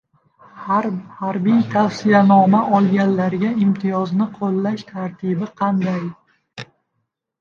Harbiy tavsiyanoma olganlarga imtiyozni qo‘llash tartibi qanday?